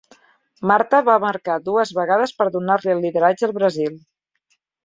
Marta va marcar dues vegades per donar-li el lideratge al Brasil.